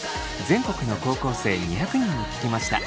全国の高校生２００人に聞きました。